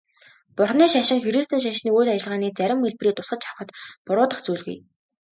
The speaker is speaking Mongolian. Бурханы шашин христийн шашны үйл ажиллагааны зарим хэлбэрийг тусгаж авахад буруудах зүйлгүй.